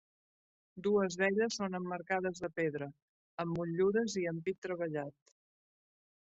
Dues d’elles són emmarcades de pedra, amb motllures i ampit treballat.